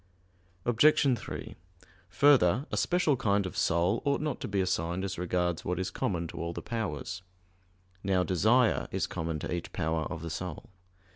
Obj. 3: Further, a special kind of soul ought not to be assigned as regards what is common to all the powers. Now desire is common to each power of the soul.